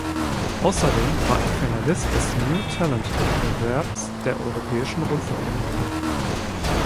Außerdem war er Finalist des New Talent Wettbewerbs der Europäischen Rundfunkunion.